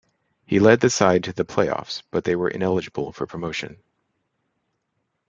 He led the side to the playoffs, but they were ineligible for promotion.